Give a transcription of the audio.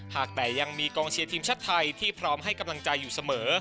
หากแต่ยังมีกองเชียร์ทีมชาติไทยที่พร้อมให้กำลังใจอยู่เสมอ